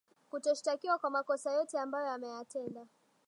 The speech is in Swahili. kutoshtakiwa kwa makosa yote ambayo ameyatenda